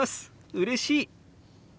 うれしい！」。